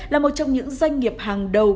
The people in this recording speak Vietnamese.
là một trong những doanh nghiệp hàng đầu